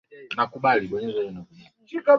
neno serengeti limetoholewa kutoka lugha ya kimasai